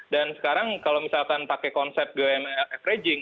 dan sekarang kalau misalkan pakai konsep gwm averaging